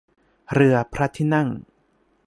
เรือพระที่นั่ง